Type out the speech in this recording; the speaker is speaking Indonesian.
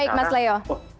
baik mas leo